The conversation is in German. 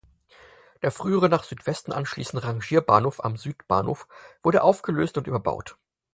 Der früher nach Südwesten anschließende Rangierbahnhof am Südbahnhof wurde aufgelöst und überbaut.